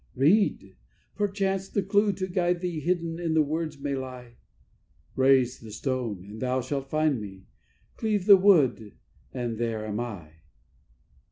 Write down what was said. Read! perchance the clue to guide thee hidden in the words may lie: "_Raise the stone, and thou shalt find me; cleave the wood, and there am I.